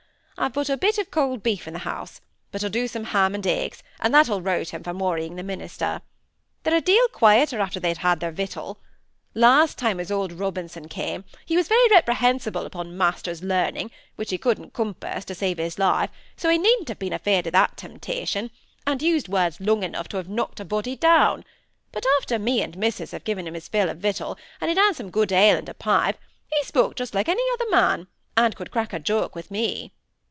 I've but a bit of cold beef in th' house; but I'll do some ham and eggs, and that "ll rout "em from worrying the minister. They're a deal quieter after they've had their victual. Last time as old Robinson came, he was very reprehensible upon master's learning, which he couldn't compass to save his life, so he needn't have been afeard of that temptation, and used words long enough to have knocked a body down; but after me and missus had given him his fill of victual, and he'd had some good ale and a pipe, he spoke just like any other man, and could crack a joke with me."